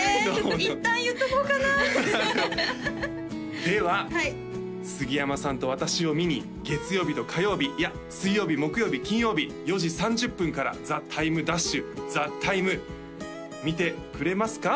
いったん言っとこうかなでは杉山さんと私を見に月曜日と火曜日いや水曜日木曜日金曜日４時３０分から「ＴＨＥＴＩＭＥ’」「ＴＨＥＴＩＭＥ，」見てくれますか？